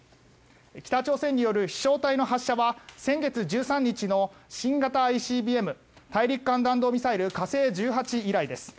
北朝鮮による飛翔体の発射は先月１３日の新型ＩＣＢＭ・大陸間弾道ミサイル火星１８以来です。